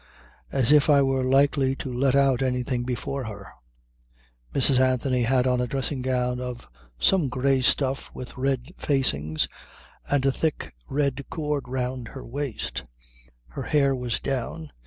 As if I were likely to let out anything before her! Mrs. Anthony had on a dressing gown of some grey stuff with red facings and a thick red cord round her waist. Her hair was down.